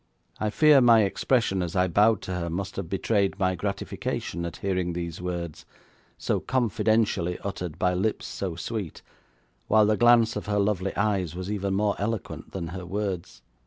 I fear my expression as I bowed to her must have betrayed my gratification at hearing these words, so confidentially uttered by lips so sweet, while the glance of her lovely eyes was even more eloquent than her words.